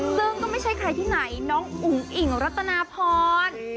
ซึ่งก็ไม่ใช่ใครที่ไหนน้องอุ๋งอิ่งรัตนาพร